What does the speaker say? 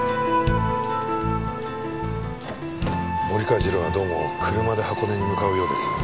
森川次郎はどうも車で箱根に向かうようです。